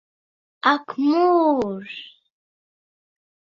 Ak mūžs!